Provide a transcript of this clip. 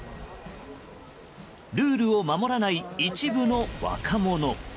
ルールを守らない一部の若者。